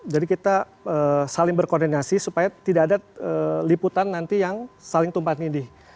jadi kita saling berkoordinasi supaya tidak ada liputan nanti yang saling tumpah ngindih